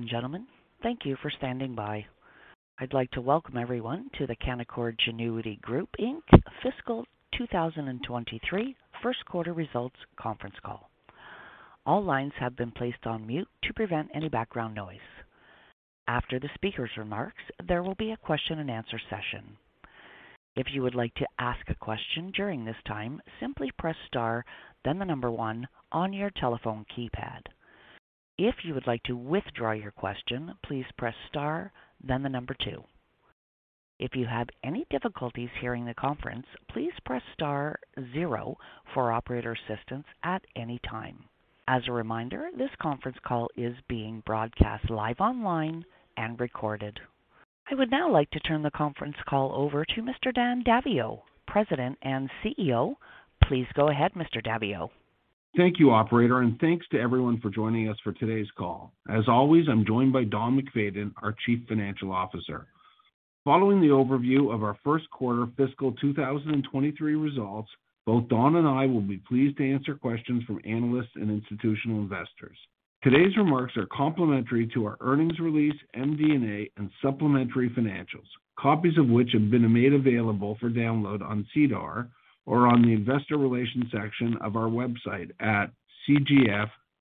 Ladies and gentlemen, thank you for standing by. I'd like to welcome everyone to the Canaccord Genuity Group Inc. Fiscal 2023 first quarter results conference call. All lines have been placed on mute to prevent any background noise. After the speaker's remarks, there will be a question-and-answer session. If you would like to ask a question during this time, simply press star, then the number one on your telephone keypad. If you would like to withdraw your question, please press star, then the number two. If you have any difficulties hearing the conference, please press star zero for operator assistance at any time. As a reminder, this conference call is being broadcast live online and recorded. I would now like to turn the conference call over to Mr. Dan Daviau, President and CEO. Please go ahead, Mr. Daviau. Thank you, operator, and thanks to everyone for joining us for today's call. As always, I'm joined by Don MacFayden, our Chief Financial Officer. Following the overview of our first quarter fiscal 2023 results, both Don and I will be pleased to answer questions from analysts and institutional investors. Today's remarks are complementary to our earnings release, MD&A, and supplementary financials, copies of which have been made available for download on SEDAR or on the Investor Relations section of our website at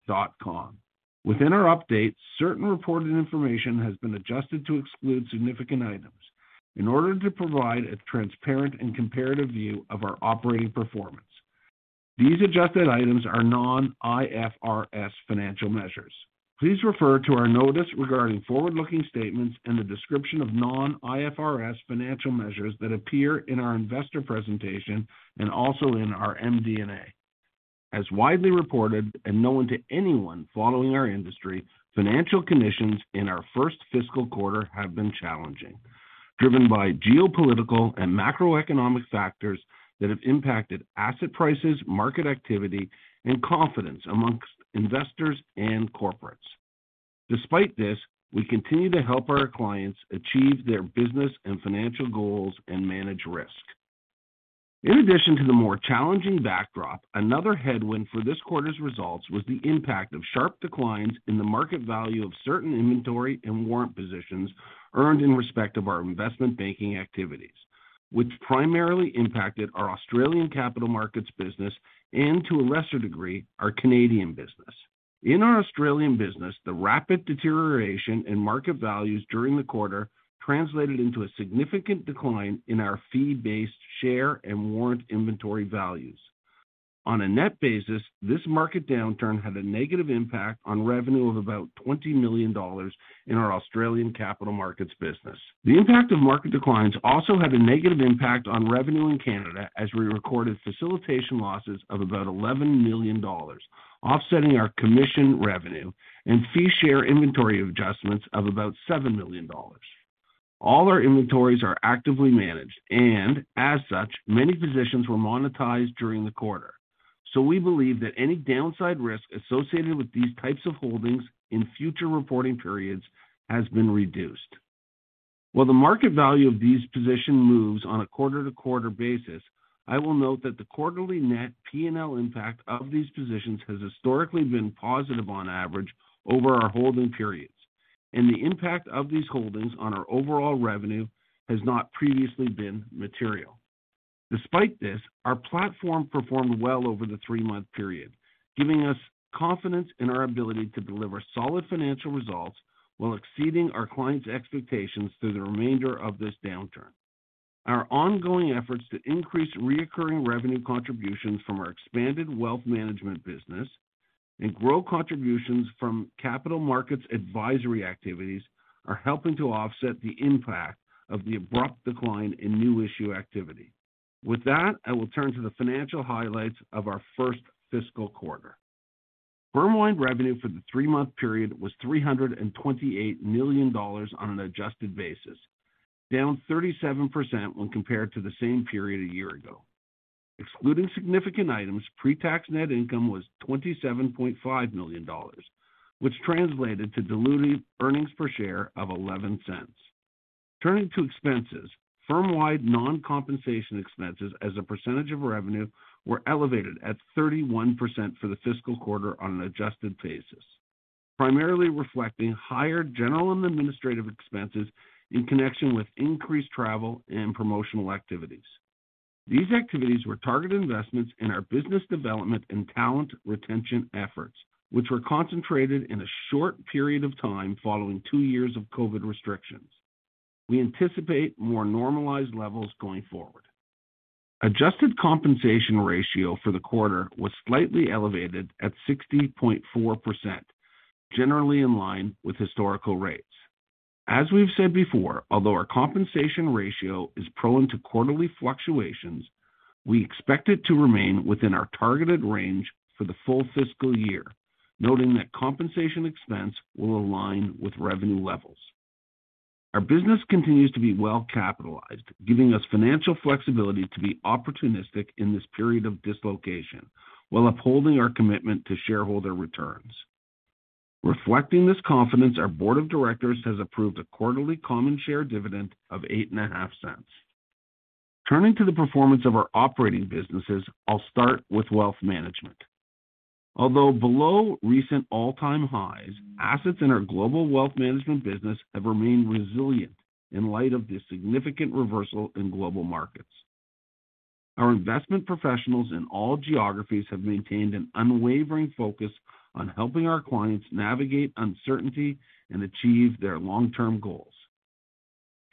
cgf.com. Within our update, certain reported information has been adjusted to exclude significant items in order to provide a transparent and comparative view of our operating performance. These adjusted items are non-IFRS financial measures. Please refer to our notice regarding forward-looking statements and the description of non-IFRS financial measures that appear in our investor presentation and also in our MD&A. As widely reported and known to anyone following our industry, financial conditions in our first fiscal quarter have been challenging, driven by geopolitical and macroeconomic factors that have impacted asset prices, market activity, and confidence among investors and corporates. Despite this, we continue to help our clients achieve their business and financial goals and manage risk. In addition to the more challenging backdrop, another headwind for this quarter's results was the impact of sharp declines in the market value of certain inventory and warrant positions earned in respect of our investment banking activities, which primarily impacted our Australian capital markets business and, to a lesser degree, our Canadian business. In our Australian business, the rapid deterioration in market values during the quarter translated into a significant decline in our fee-based share and warrant inventory values. On a net basis, this market downturn had a negative impact on revenue of about 20 million dollars in our Australian capital markets business. The impact of market declines also had a negative impact on revenue in Canada as we recorded facilitation losses of about 11 million dollars, offsetting our commission revenue and fee share inventory adjustments of about 7 million dollars. All our inventories are actively managed and, as such, many positions were monetized during the quarter. We believe that any downside risk associated with these types of holdings in future reporting periods has been reduced. While the market value of these position moves on a quarter-to-quarter basis, I will note that the quarterly net P&L impact of these positions has historically been positive on average over our holding periods, and the impact of these holdings on our overall revenue has not previously been material. Despite this, our platform performed well over the three-month period, giving us confidence in our ability to deliver solid financial results while exceeding our clients' expectations through the remainder of this downturn. Our ongoing efforts to increase recurring revenue contributions from our expanded wealth management business and grow contributions from capital markets advisory activities are helping to offset the impact of the abrupt decline in new issue activity. With that, I will turn to the financial highlights of our first fiscal quarter. Firm-wide revenue for the three-month period was 328 million dollars on an adjusted basis, down 37% when compared to the same period a year ago. Excluding significant items, pre-tax net income was 27.5 million dollars, which translated to diluted earnings per share of 0.11. Turning to expenses, firm-wide non-compensation expenses as a percentage of revenue were elevated at 31% for the fiscal quarter on an adjusted basis, primarily reflecting higher general and administrative expenses in connection with increased travel and promotional activities. These activities were targeted investments in our business development and talent retention efforts, which were concentrated in a short period of time following two years of COVID restrictions. We anticipate more normalized levels going forward. Adjusted compensation ratio for the quarter was slightly elevated at 60.4%, generally in line with historical rates. As we've said before, although our compensation ratio is prone to quarterly fluctuations, we expect it to remain within our targeted range for the full fiscal year, noting that compensation expense will align with revenue levels. Our business continues to be well-capitalized, giving us financial flexibility to be opportunistic in this period of dislocation while upholding our commitment to shareholder returns. Reflecting this confidence, our board of directors has approved a quarterly common share dividend of 0.085. Turning to the performance of our operating businesses, I'll start with wealth management. Although below recent all-time highs, assets in our global wealth management business have remained resilient in light of the significant reversal in global markets. Our investment professionals in all geographies have maintained an unwavering focus on helping our clients navigate uncertainty and achieve their long-term goals.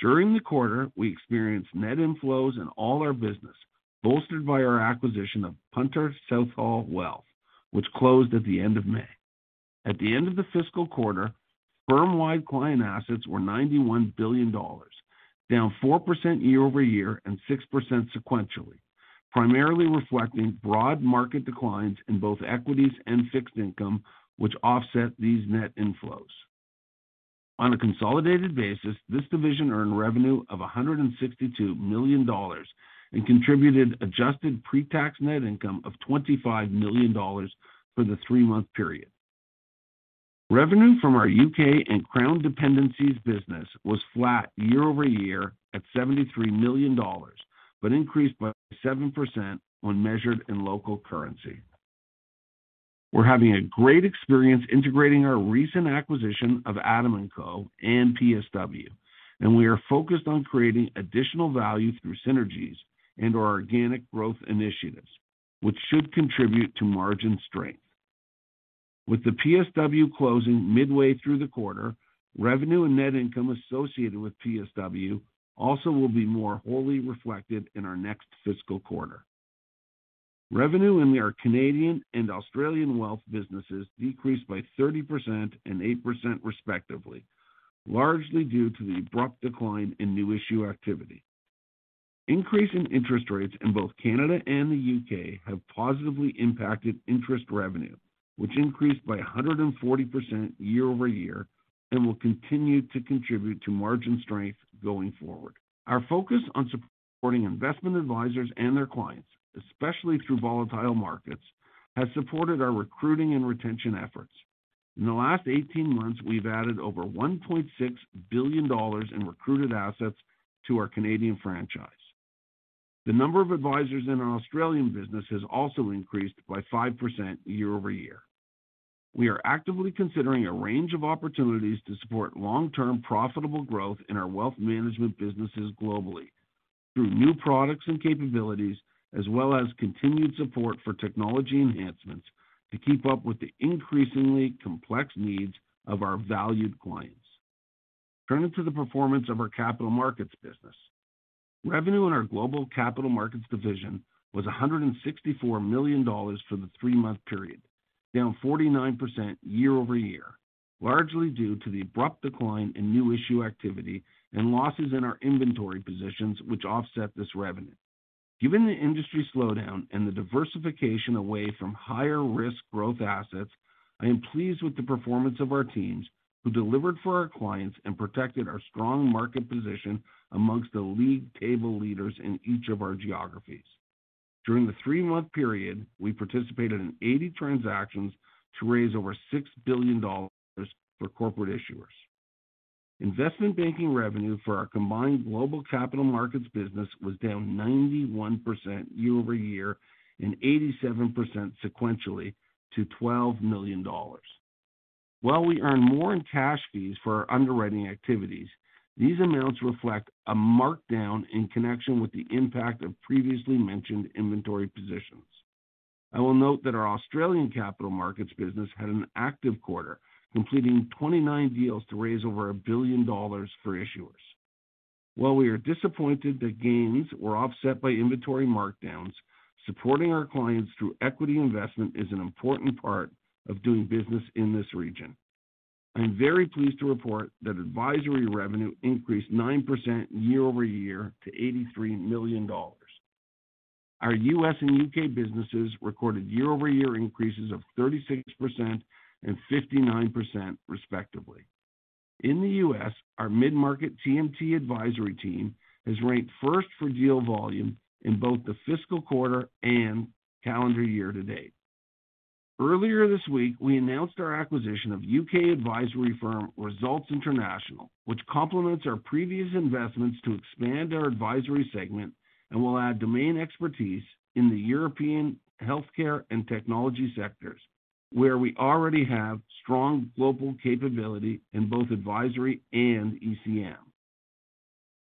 During the quarter, we experienced net inflows in all our business, bolstered by our acquisition of Punter Southall Wealth, which closed at the end of May. At the end of the fiscal quarter, firm-wide client assets were 91 billion dollars, down 4% year-over-year and 6% sequentially, primarily reflecting broad market declines in both equities and fixed income, which offset these net inflows. On a consolidated basis, this division earned revenue of 162 million dollars and contributed adjusted pre-tax net income of 25 million dollars for the three-month period. Revenue from our U.K. and Crown Dependencies business was flat year-over-year at 73 million dollars, but increased by 7% when measured in local currency. We're having a great experience integrating our recent acquisition of Adam & Co. and PSW, and we are focused on creating additional value through synergies into our organic growth initiatives, which should contribute to margin strength. With the PSW closing midway through the quarter, revenue and net income associated with PSW also will be more wholly reflected in our next fiscal quarter. Revenue in our Canadian and Australian wealth businesses decreased by 30% and 8% respectively, largely due to the abrupt decline in new issue activity. Increase in interest rates in both Canada and the U.K. have positively impacted interest revenue, which increased by 140% year-over-year and will continue to contribute to margin strength going forward. Our focus on supporting investment advisors and their clients, especially through volatile markets, has supported our recruiting and retention efforts. In the last 18 months, we've added over 1.6 billion dollars in recruited assets to our Canadian franchise. The number of advisors in our Australian business has also increased by 5% year-over-year. We are actively considering a range of opportunities to support long-term profitable growth in our wealth management businesses globally through new products and capabilities, as well as continued support for technology enhancements to keep up with the increasingly complex needs of our valued clients. Turning to the performance of our capital markets business. Revenue in our global capital markets division was 164 million dollars for the three-month period, down 49% year-over-year, largely due to the abrupt decline in new issue activity and losses in our inventory positions which offset this revenue. Given the industry slowdown and the diversification away from higher risk growth assets, I am pleased with the performance of our teams who delivered for our clients and protected our strong market position amongst the league table leaders in each of our geographies. During the three-month period, we participated in 80 transactions to raise over 6 billion dollars for corporate issuers. Investment banking revenue for our combined global capital markets business was down 91% year-over-year and 87% sequentially to 12 million dollars. While we earn more in cash fees for our underwriting activities, these amounts reflect a markdown in connection with the impact of previously mentioned inventory positions. I will note that our Australian capital markets business had an active quarter, completing 29 deals to raise over 1 billion dollars for issuers. While we are disappointed that gains were offset by inventory markdowns, supporting our clients through equity investment is an important part of doing business in this region. I'm very pleased to report that advisory revenue increased 9% year-over-year to 83 million dollars. Our U.S. and U.K. businesses recorded year-over-year increases of 36% and 59% respectively. In the U.S., our mid-market TMT advisory team has ranked first for deal volume in both the fiscal quarter and calendar year to date. Earlier this week, we announced our acquisition of U.K. advisory firm Results International, which complements our previous investments to expand our advisory segment and will add domain expertise in the European healthcare and technology sectors, where we already have strong global capability in both advisory and ECM.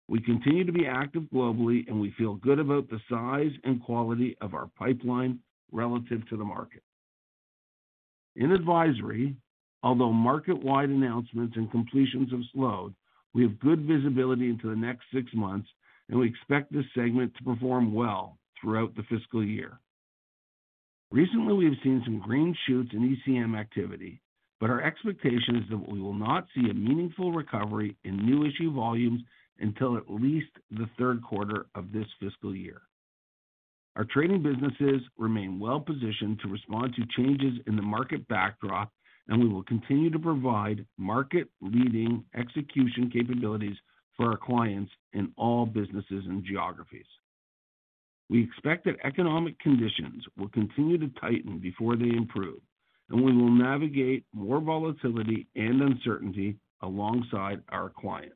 We continue to be active globally, and we feel good about the size and quality of our pipeline relative to the market. In advisory, although market-wide announcements and completions have slowed, we have good visibility into the next six months, and we expect this segment to perform well throughout the fiscal year. Recently, we have seen some green shoots in ECM activity, but our expectation is that we will not see a meaningful recovery in new issue volumes until at least the third quarter of this fiscal year. Our trading businesses remain well positioned to respond to changes in the market backdrop, and we will continue to provide market-leading execution capabilities for our clients in all businesses and geographies. We expect that economic conditions will continue to tighten before they improve, and we will navigate more volatility and uncertainty alongside our clients.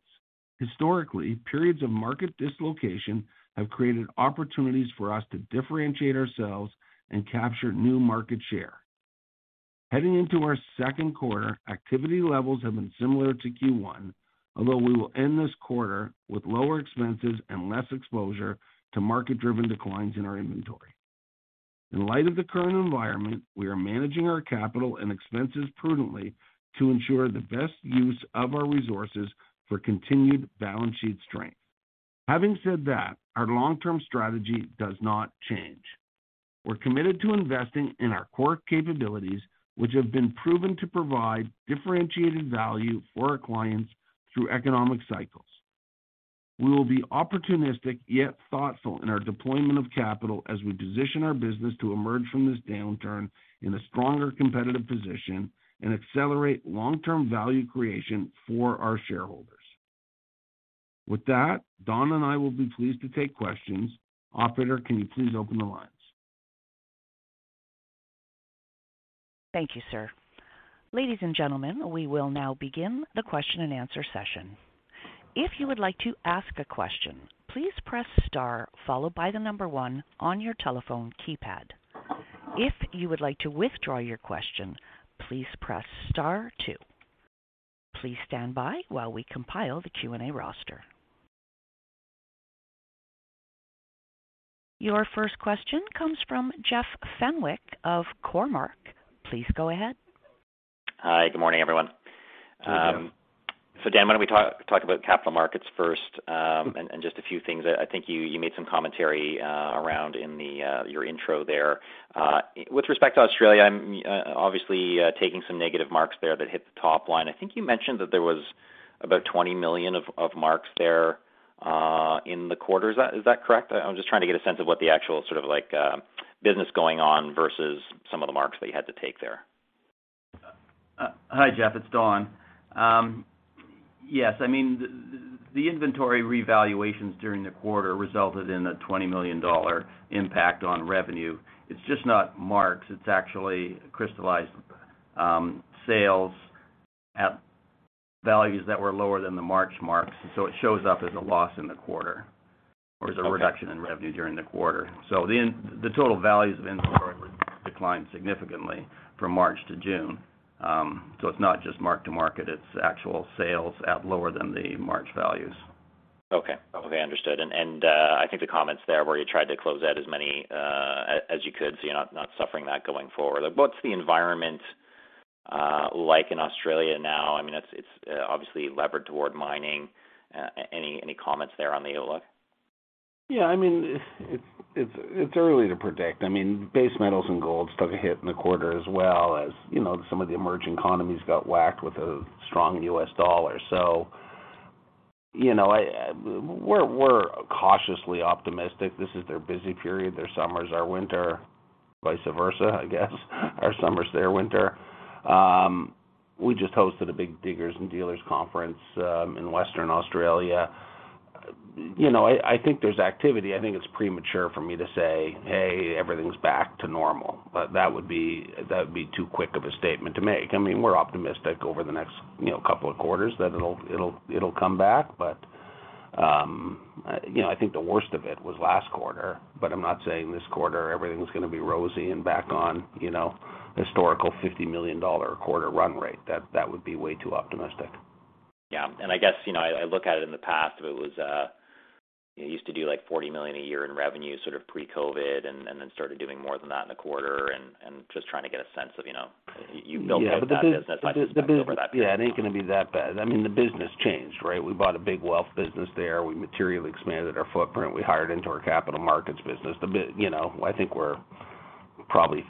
Historically, periods of market dislocation have created opportunities for us to differentiate ourselves and capture new market share. Heading into our second quarter, activity levels have been similar to Q1, although we will end this quarter with lower expenses and less exposure to market-driven declines in our inventory. In light of the current environment, we are managing our capital and expenses prudently to ensure the best use of our resources for continued balance sheet strength. Having said that, our long-term strategy does not change. We're committed to investing in our core capabilities, which have been proven to provide differentiated value for our clients through economic cycles. We will be opportunistic yet thoughtful in our deployment of capital as we position our business to emerge from this downturn in a stronger competitive position and accelerate long-term value creation for our shareholders. With that, Don and I will be pleased to take questions. Operator, can you please open the lines? Thank you, sir. Ladies and gentlemen, we will now begin the question-and-answer session. If you would like to ask a question, please press star followed by the number one on your telephone keypad. If you would like to withdraw your question, please press star two. Please stand by while we compile the Q&A roster. Your first question comes from Jeff Fenwick of Cormark. Please go ahead. Hi, good morning, everyone. Dan, why don't we talk about capital markets first, and just a few things that I think you made some commentary around in your intro there. With respect to Australia, I'm obviously taking some negative marks there that hit the top line. I think you mentioned that there was about 20 million of marks there in the quarter. Is that correct? I'm just trying to get a sense of what the actual sort of like business going on versus some of the marks that you had to take there. Hi, Jeff. It's Don. Yes. I mean, the inventory revaluations during the quarter resulted in a 20 million dollar impact on revenue. It's just not marks. It's actually crystallized sales at values that were lower than the March marks. It shows up as a loss in the quarter or as a reduction. Okay. In revenue during the quarter. The total values of inventory declined significantly from March to June. It's not just mark-to-market, it's actual sales at lower than the March values. Okay, understood. I think the comments there were you tried to close out as many as you could, so you're not suffering that going forward. What's the environment like in Australia now? I mean, it's obviously levered toward mining. Any comments there on the outlook? Yeah. I mean, it's early to predict. I mean, base metals and gold took a hit in the quarter as well as, you know, some of the emerging economies got whacked with a strong U.S. dollar. You know, we're cautiously optimistic. This is their busy period. Their summers are winter, vice versa, I guess. Our summers are their winter. We just hosted a big Diggers & Dealers conference in Western Australia. You know, I think there's activity. I think it's premature for me to say, "Hey, everything's back to normal." That would be too quick of a statement to make. I mean, we're optimistic over the next, you know, couple of quarters that it'll come back. You know, I think the worst of it was last quarter, but I'm not saying this quarter, everything's gonna be rosy and back on, you know, historical 50 million dollar a quarter run rate. That would be way too optimistic. Yeah. I guess, you know, I look at it in the past, if it was, you used to do, like, 40 million a year in revenue, sort of pre-COVID, and then started doing more than that in a quarter, and just trying to get a sense of, you know, you built up that business. I suspect over that period. Yeah. The business yeah, it ain't gonna be that bad. I mean, the business changed, right? We bought a big wealth business there. We materially expanded our footprint. We hired into our capital markets business. You know, I think we're probably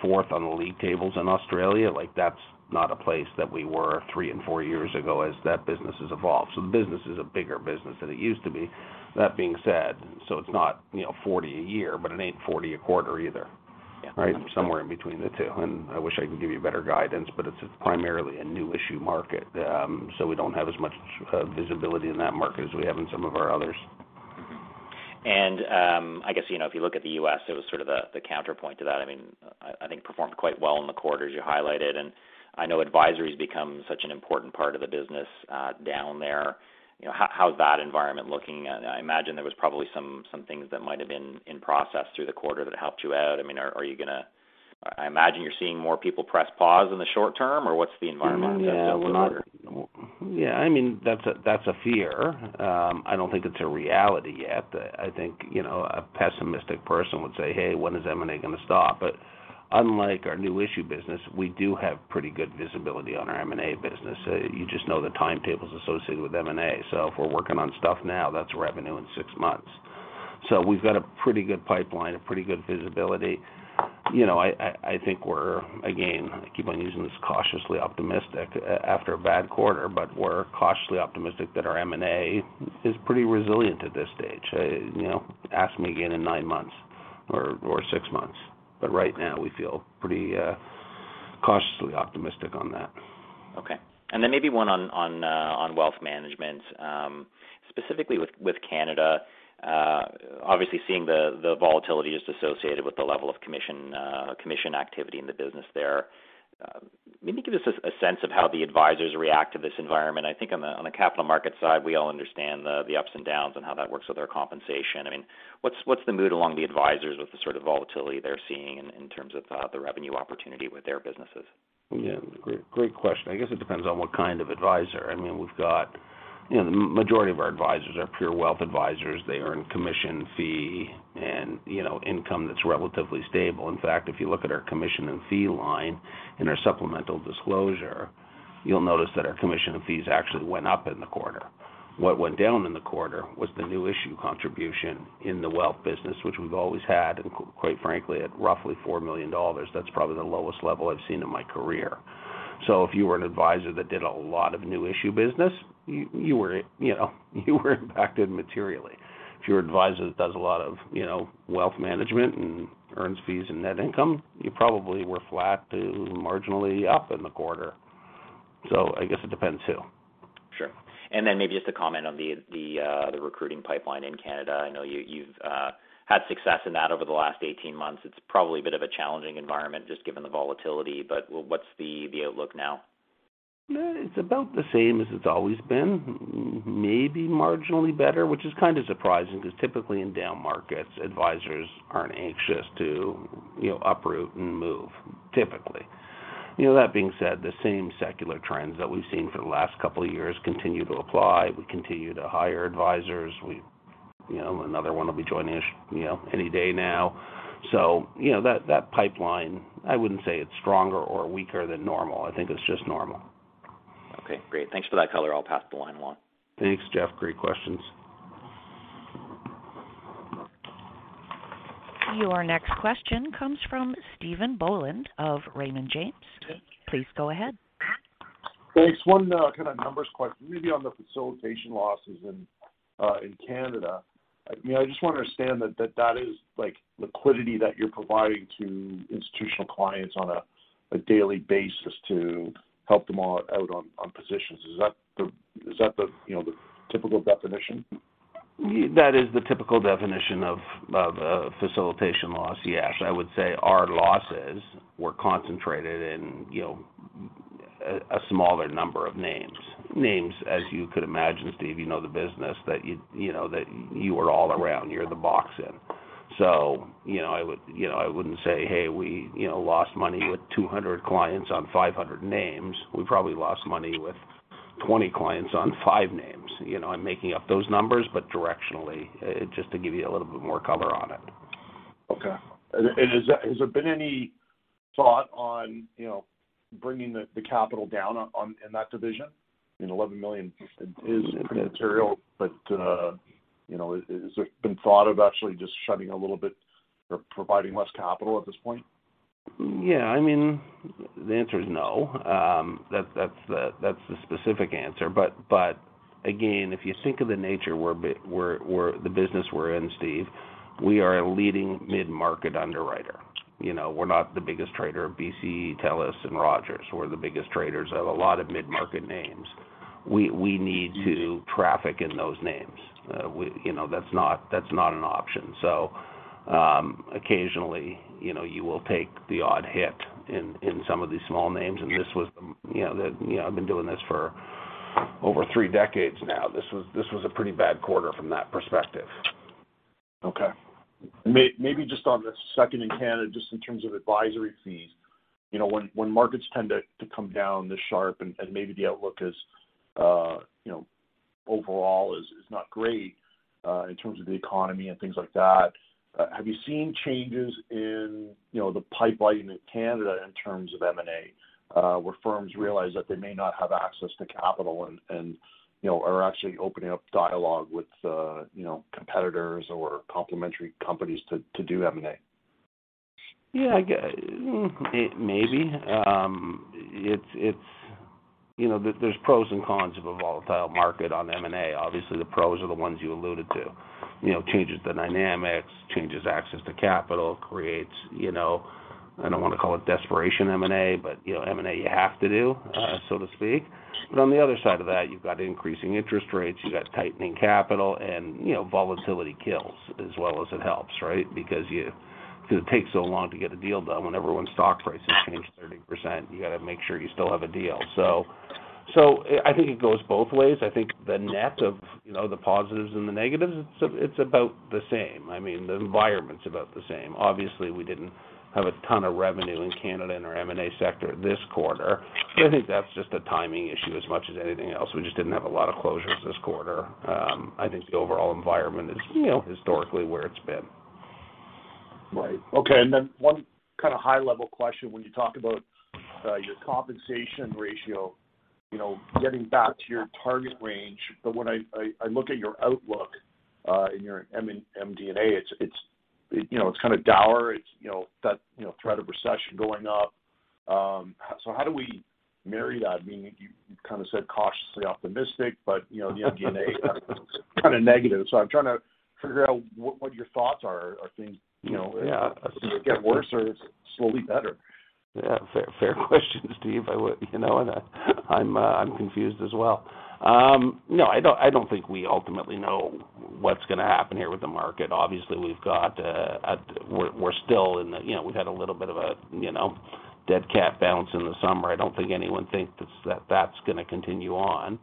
fourth on the league tables in Australia. Like, that's not a place that we were three and four years ago as that business has evolved. The business is a bigger business than it used to be. That being said, it's not, you know, 40 a year, but it ain't 40 a quarter either. Yeah. Right? Somewhere in between the two. I wish I could give you better guidance, but it's primarily a new issue market. We don't have as much visibility in that market as we have in some of our others. Mm-hmm. I guess, you know, if you look at the U.S., it was sort of the counterpoint to that. I mean, I think it performed quite well in the quarter as you highlighted, and I know advisory's become such an important part of the business down there. You know, how's that environment looking? I imagine there was probably some things that might have been in process through the quarter that helped you out. I mean, are you gonna, I imagine you're seeing more people press pause in the short term, or what's the environment look like there for the quarter? Yeah. I mean, that's a fear. I don't think it's a reality yet. I think, you know, a pessimistic person would say, "Hey, when is M&A gonna stop?" Unlike our new issue business, we do have pretty good visibility on our M&A business. You just know the timetables associated with M&A. If we're working on stuff now, that's revenue in six months. We've got a pretty good pipeline, a pretty good visibility. You know, I think we're, again, I keep on using this cautiously optimistic after a bad quarter, but we're cautiously optimistic that our M&A is pretty resilient at this stage. You know, ask me again in nine months or six months. Right now we feel pretty cautiously optimistic on that. Maybe one on wealth management, specifically with Canada. Obviously seeing the volatility just associated with the level of commission activity in the business there. Maybe give us a sense of how the advisors react to this environment. I think on the capital markets side, we all understand the ups and downs and how that works with our compensation. I mean, what's the mood among the advisors with the sort of volatility they're seeing in terms of the revenue opportunity with their businesses? Yeah. Great question. I guess it depends on what kind of advisor. I mean, we've got. You know, the majority of our advisors are pure wealth advisors. They earn commission fee and, you know, income that's relatively stable. In fact, if you look at our commission and fee line in our supplemental disclosure, you'll notice that our commission and fees actually went up in the quarter. What went down in the quarter was the new issue contribution in the wealth business, which we've always had, and quite frankly, at roughly 4 million dollars, that's probably the lowest level I've seen in my career. If you were an advisor that did a lot of new issue business, you were, you know, impacted materially. If you're an advisor that does a lot of, you know, wealth management and earns fees and net income, you probably were flat to marginally up in the quarter. I guess it depends who. Sure. Maybe just a comment on the recruiting pipeline in Canada. I know you've had success in that over the last 18 months. It's probably a bit of a challenging environment just given the volatility, but what's the outlook now? It's about the same as it's always been. Maybe marginally better, which is kind of surprising because typically in down markets, advisors aren't anxious to, you know, uproot and move, typically. You know, that being said, the same secular trends that we've seen for the last couple of years continue to apply. We continue to hire advisors. We, you know, another one will be joining us, you know, any day now. So, you know, that pipeline, I wouldn't say it's stronger or weaker than normal. I think it's just normal. Okay, great. Thanks for that color. I'll pass the line along. Thanks, Jeff. Great questions. Your next question comes from Stephen Boland of Raymond James. Please go ahead. Thanks. One kind of numbers question, maybe on the facilitation losses in Canada. I mean, I just want to understand that that is like liquidity that you're providing to institutional clients on a daily basis to help them all out on positions. Is that the, you know, the typical definition? That is the typical definition of facilitation loss. Yes. I would say our losses were concentrated in, you know, a smaller number of names. Names, as you could imagine, Steve, you know the business that you know that you are all around, you're the boss in. You know, I wouldn't say, "Hey, we, you know, lost money with 200 clients on 500 names." We probably lost money with 20 clients on five names. You know, I'm making up those numbers, but directionally, just to give you a little bit more cover on it. Okay. Has there been any thought on, you know, bringing the capital down in that division? I mean, 11 million is pretty material, but you know, has there been thought of actually just shutting a little bit or providing less capital at this point? Yeah. I mean, the answer is no. That's the specific answer. But again, if you think of the nature of the business we're in, Steven, we are a leading mid-market underwriter. You know, we're not the biggest trader of BCE, Telus, and Rogers. We're the biggest traders of a lot of mid-market names. We need to traffic in those names. You know, that's not an option. Occasionally, you know, you will take the odd hit in some of these small names. This was. You know, I've been doing this for over three decades now. This was a pretty bad quarter from that perspective. Okay. Maybe just on the second in Canada, just in terms of advisory fees. You know, when markets tend to come down this sharply and maybe the outlook is, you know, overall is not great, in terms of the economy and things like that, have you seen changes in, you know, the pipeline in Canada in terms of M&A, where firms realize that they may not have access to capital and you know, are actually opening up dialogue with you know, competitors or complementary companies to do M&A? Yeah. Maybe. It's you know, there's pros and cons of a volatile market on M&A. Obviously, the pros are the ones you alluded to. You know, changes the dynamics, changes access to capital, creates, you know, I don't want to call it desperation M&A, but, you know, M&A you have to do, so to speak. But on the other side of that, you've got increasing interest rates, you've got tightening capital, and, you know, volatility kills as well as it helps, right? Because it takes so long to get a deal done when everyone's stock prices change 30%, you got to make sure you still have a deal. So I think it goes both ways. I think the net of, you know, the positives and the negatives, it's about the same. I mean, the environment's about the same. Obviously, we didn't have a ton of revenue in Canada in our M&A sector this quarter. I think that's just a timing issue as much as anything else. We just didn't have a lot of closures this quarter. I think the overall environment is, you know, historically where it's been. Right. Okay. One kind of high-level question when you talk about your compensation ratio, you know, getting back to your target range. When I look at your outlook in your M&A, it's kind of dour. It's, you know, that, you know, threat of recession going up. Mary, I mean, you kind of said cautiously optimistic, but you know the data kind of negative. I'm trying to figure out what your thoughts are. Are things, you know? Yeah. Does it get worse or it's slowly better? Yeah, fair question, Stephen. I would, you know, I'm confused as well. No, I don't think we ultimately know what's gonna happen here with the market. Obviously, we're still in. You know, we've had a little bit of a, you know, dead cat bounce in the summer. I don't think anyone thinks that's gonna continue on.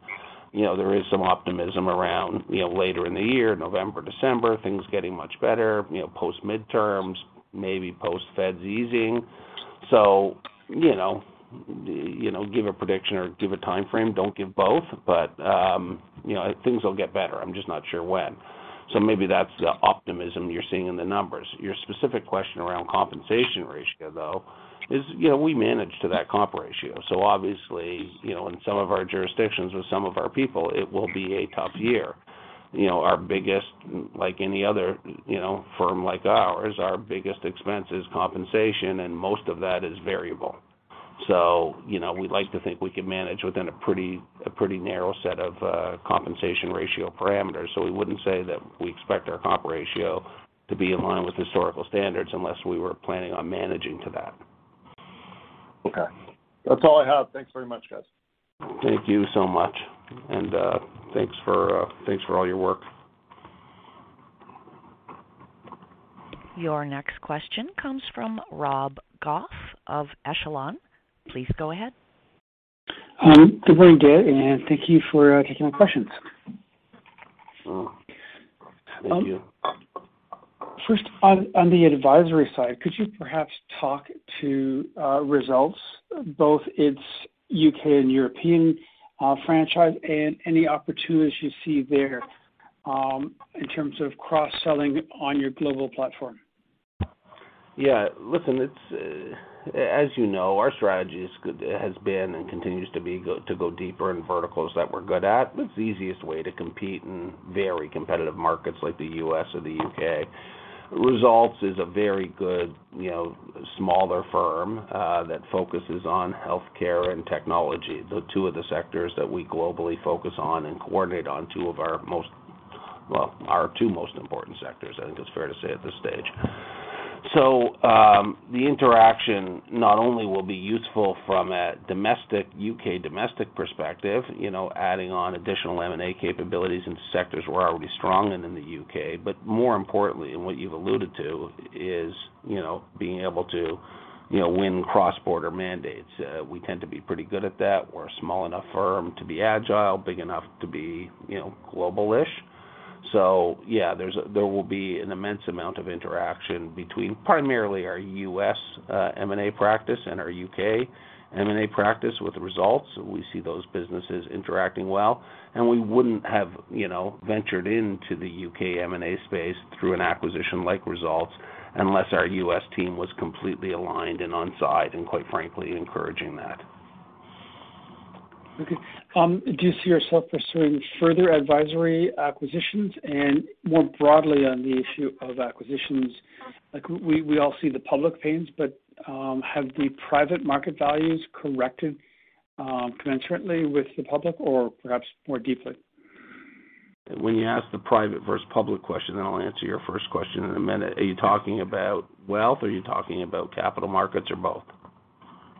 You know, there is some optimism around, you know, later in the year, November, December, things getting much better, you know, post-midterms, maybe post-Fed easing. You know, give a prediction or give a timeframe, don't give both. You know, things will get better. I'm just not sure when. Maybe that's the optimism you're seeing in the numbers. Your specific question around compensation ratio, though, is, you know, we manage to that comp ratio. Obviously, you know, in some of our jurisdictions with some of our people, it will be a tough year. You know, like any other, you know, firm like ours, our biggest expense is compensation, and most of that is variable. You know, we'd like to think we can manage within a pretty narrow set of compensation ratio parameters. We wouldn't say that we expect our comp ratio to be in line with historical standards unless we were planning on managing to that. Okay. That's all I have. Thanks very much, guys. Thank you so much. Thanks for all your work. Your next question comes from Rob Goff of Echelon. Please go ahead. Good morning, Dave, and thank you for taking my questions. Oh, thank you. First, on the advisory side, could you perhaps talk to Results, both its U.K. and European franchise and any opportunities you see there, in terms of cross-selling on your global platform? Yeah. Listen, it's as you know, our strategy is good. It has been and continues to be to go deeper in verticals that we're good at. That's the easiest way to compete in very competitive markets like the U.S. or the U.K. Results is a very good, you know, smaller firm that focuses on healthcare and technology, the two of the sectors that we globally focus on and coordinate on two of our most, well, our two most important sectors, I think it's fair to say at this stage. The interaction not only will be useful from a domestic U.K. domestic perspective, you know, adding on additional M&A capabilities in sectors we're already strong in the U.K. More importantly, and what you've alluded to, is, you know, being able to, you know, win cross-border mandates. We tend to be pretty good at that. We're a small enough firm to be agile, big enough to be, you know, global-ish. So yeah, there will be an immense amount of interaction between primarily our U.S. M&A practice and our U.K. M&A practice with the Results. We see those businesses interacting well. We wouldn't have, you know, ventured into the U.K. M&A space through an acquisition like Results unless our U.S. team was completely aligned and on-side and, quite frankly, encouraging that. Okay. Do you see yourself pursuing further advisory acquisitions? More broadly on the issue of acquisitions, like, we all see the public pains, but, have the private market values corrected, concurrently with the public or perhaps more deeply? When you ask the private versus public question, then I'll answer your first question in a minute. Are you talking about wealth? Are you talking about capital markets or both?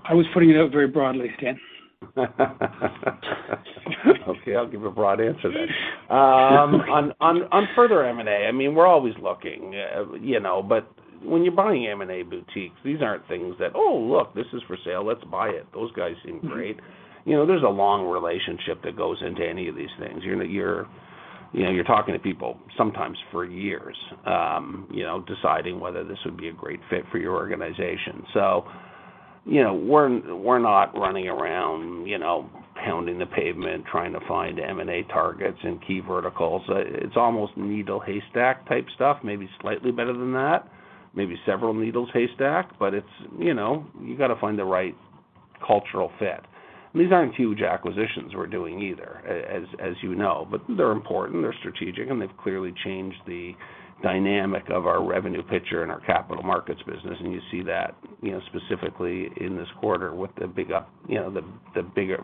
I was putting it out very broadly, Dan. Okay, I'll give a broad answer then. On further M&A, I mean, we're always looking, you know. When you're buying M&A boutiques, these aren't things that, oh, look, this is for sale, let's buy it. Those guys seem great. You know, there's a long relationship that goes into any of these things. You're, you know, you're talking to people sometimes for years, you know, deciding whether this would be a great fit for your organization. You know, we're not running around, you know, pounding the pavement, trying to find M&A targets in key verticals. It's almost needle haystack type stuff, maybe slightly better than that. Maybe several needles haystack. You know, you gotta find the right cultural fit. These aren't huge acquisitions we're doing either, as you know, but they're important, they're strategic, and they've clearly changed the dynamic of our revenue picture and our capital markets business. You see that, specifically in this quarter with the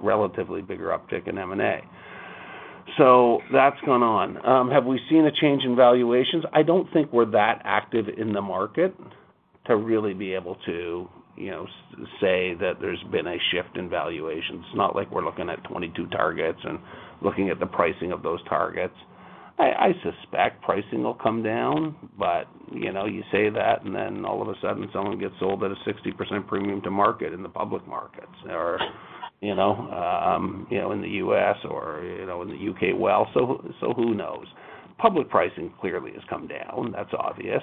relatively bigger uptick in M&A. That's going on. Have we seen a change in valuations? I don't think we're that active in the market to really be able to say that there's been a shift in valuations. It's not like we're looking at 22 targets and looking at the pricing of those targets. I suspect pricing will come down, but you know, you say that and then all of a sudden someone gets sold at a 60% premium to market in the public markets or, you know, in the U.S. or, you know, in the U.K. Well. Who knows? Public pricing clearly has come down. That's obvious.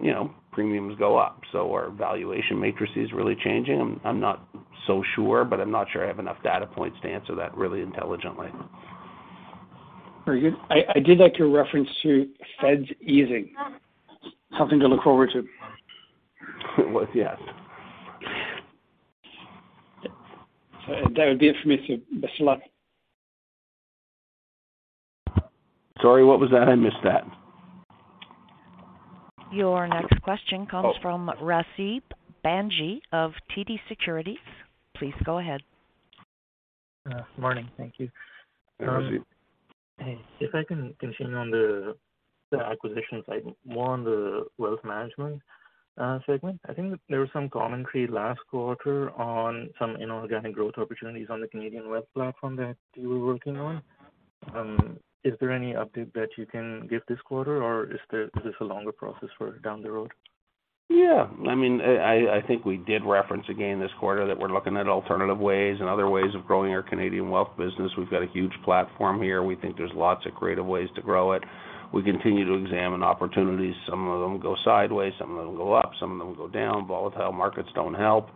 You know, premiums go up, so are valuation matrices really changing? I'm not so sure, but I'm not sure I have enough data points to answer that really intelligently. Very good. I did like your reference to Fed easing. Something to look forward to. It was, yes. That would be it for me, so best of luck. Sorry, what was that? I missed that. Your next question comes from Rasib Bhanji of TD Securities. Please go ahead. Morning. Thank you. Hey, Rasib. Hey. If I can continue on the acquisitions side, more on the wealth management segment. I think there was some commentary last quarter on some inorganic growth opportunities on the Canadian wealth platform that you were working on. Is there any update that you can give this quarter, or is this a longer process for down the road? Yeah. I mean, I think we did reference again this quarter that we're looking at alternative ways and other ways of growing our Canadian wealth business. We've got a huge platform here. We think there's lots of creative ways to grow it. We continue to examine opportunities. Some of them go sideways, some of them go up, some of them go down. Volatile markets don't help.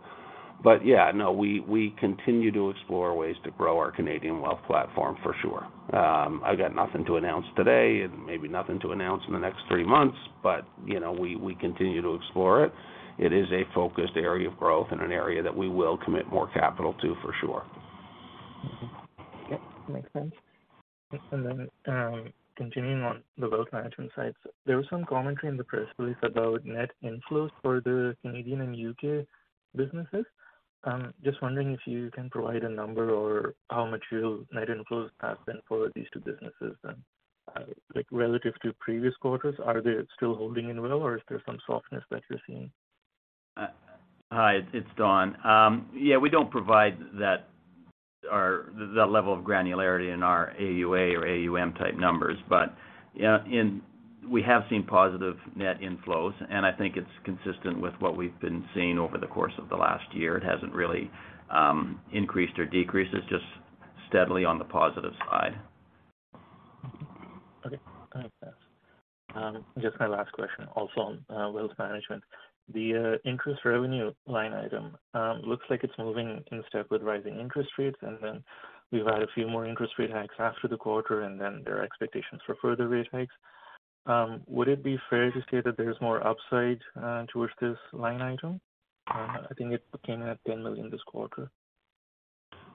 Yeah, no, we continue to explore ways to grow our Canadian wealth platform for sure. I've got nothing to announce today and maybe nothing to announce in the next three months, but you know, we continue to explore it. It is a focused area of growth and an area that we will commit more capital to for sure. Yep, makes sense. Continuing on the wealth management side, there was some commentary in the press release about net inflows for the Canadian and U.K. businesses. Just wondering if you can provide a number or how much your net inflows have been for these two businesses. Like relative to previous quarters, are they still holding up well, or is there some softness that you're seeing? Hi, it's Don. Yeah, we don't provide that or the level of granularity in our AUA or AUM type numbers. Yeah, we have seen positive net inflows, and I think it's consistent with what we've been seeing over the course of the last year. It hasn't really increased or decreased. It's just steadily on the positive side. Okay. Just my last question, also on wealth management. The interest revenue line item looks like it's moving in step with rising interest rates, and then we've had a few more interest rate hikes after the quarter, and then there are expectations for further rate hikes. Would it be fair to say that there's more upside towards this line item? I think it came at 10 million this quarter.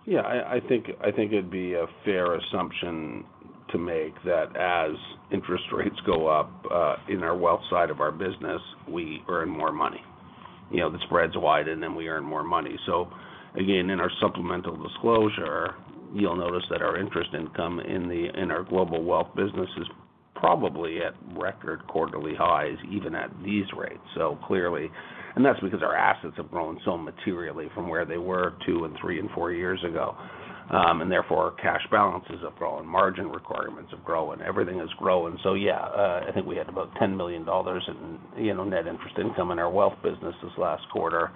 Yeah, I think it'd be a fair assumption to make that as interest rates go up in our wealth side of our business, we earn more money. You know, the spreads widen, and we earn more money. Again, in our supplemental disclosure, you'll notice that our interest income in our global wealth business is probably at record quarterly highs, even at these rates. Clearly, that's because our assets have grown so materially from where they were two and three and four years ago. Therefore cash balances have grown, margin requirements have grown, everything has grown. Yeah, I think we had about 10 million dollars in net interest income in our wealth business this last quarter.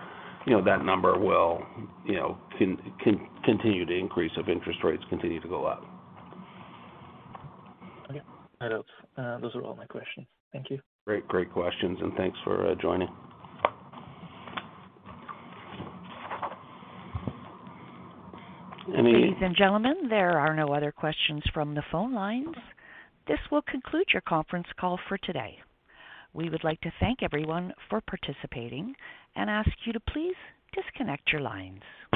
You know, that number will continue to increase if interest rates continue to go up. Okay. That helps. Those are all my questions. Thank you. Great. Great questions, and thanks for joining. Ladies and gentlemen, there are no other questions from the phone lines. This will conclude your conference call for today. We would like to thank everyone for participating and ask you to please disconnect your lines.